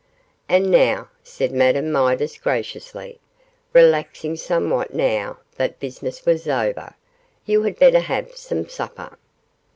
'And now,' said Madame Midas, graciously, relaxing somewhat now that business was over, 'you had better have some supper.